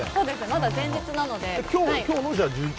まだ前日なので。